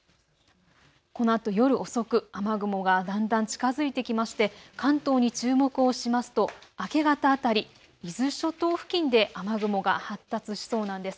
このあと夜遅く雨雲がだんだん近づいてきまして関東に注目をしますと明け方辺り、伊豆諸島付近で雨雲が発達しそうなんです。